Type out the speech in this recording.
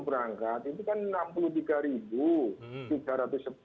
berangkat itu kan enam puluh tiga ratus sepuluh